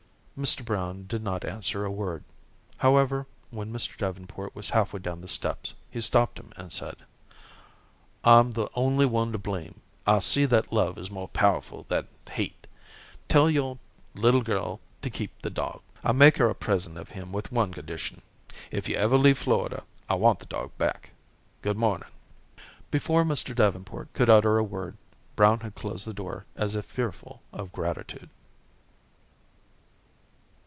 Mr. Brown did not answer a word. However, when Mr. Davenport was halfway down the steps, he stopped him and said: "I'm the only one to blame. I see that love is more powerful that hate. Tell your little girl to keep the dog. I make her a present of him with one condition. If you ever leave Florida, I want the dog back. Good morning." Before Mr. Davenport could utter a word, Brown closed the door as if fearful of gratitude.